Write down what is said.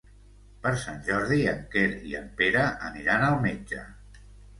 Per Sant Jordi en Quer i en Pere aniran al metge.